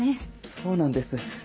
そうなんです。